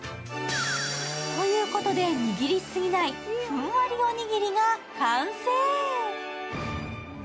ということで、握りすぎないふんわりおにぎりが完成。